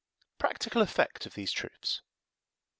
Practical Effect of these Truths.